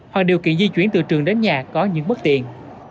hoặc điều kiện di chuyển từ trường đến nhà có những bất tiện